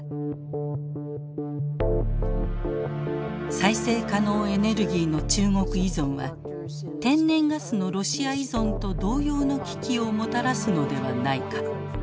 再生可能エネルギーの中国依存は天然ガスのロシア依存と同様の危機をもたらすのではないか。